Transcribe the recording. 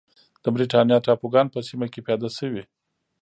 د برېټانیا ټاپوګان په سیمه کې پیاده شوې.